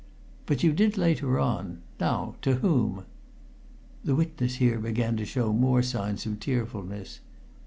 "But you did later on. Now, to whom?" The witness here began to show more signs of tearfulness.